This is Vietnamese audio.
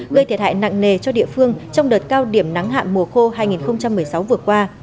gây thiệt hại nặng nề cho địa phương trong đợt cao điểm nắng hạn mùa khô hai nghìn một mươi sáu vừa qua